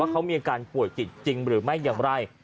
เขามีอาการป่วยจิตจริงหรือไม่อย่างไร